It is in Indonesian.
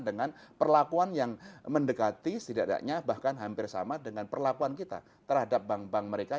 dengan perlakuan yang mendekati setidaknya bahkan hampir sama dengan perlakuan kita terhadap bank bank mereka